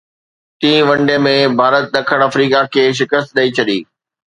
ٽين one day ۾ Bharat ڏکڻ Africa کي شڪست ڏئي ڇڏي